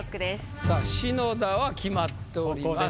さあ篠田は決まっております。